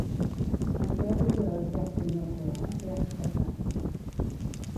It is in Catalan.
En fer al·lusió a l'exèrcit nord-coreà, què ha expressat?